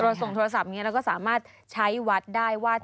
ส่งโทรศัพท์อย่างนี้เราก็สามารถใช้วัดได้ว่า